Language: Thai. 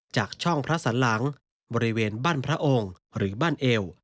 จากช่องพระสันหลังบริเวณบ้านพระองค์หรือบ้านเอว